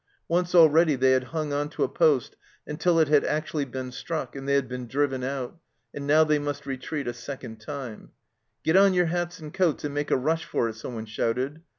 Once already they had hung on to a poste until it had actually been struck and they had been driven out, and now they must retreat a second time 1 66 Get on your hats and coats, and make a rush for it," someone shouted.